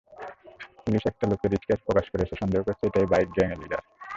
Police একটা লোকের sketch প্রকাশ করেছে সন্দেহ করছে এটাই বাইক গ্যাংয়ের লিডার।